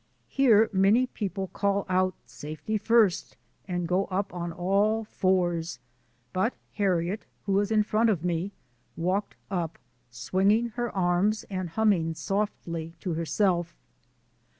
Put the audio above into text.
Here many people call out " safety first " and go up on all fours, but Harriet, who was in front of me, walked up swinging her arms and hum ming softly to herself.